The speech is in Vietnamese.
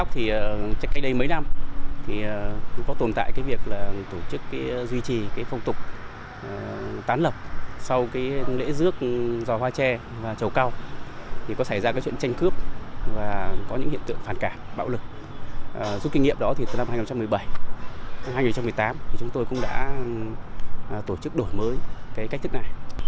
trong năm hai nghìn một mươi bảy hai nghìn một mươi tám chúng tôi cũng đã tổ chức đổi mới cách thức này